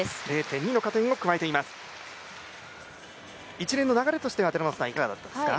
一連の流れとしてはいかがだったですか？